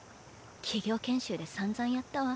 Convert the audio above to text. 企業研修でさんざんやったわ。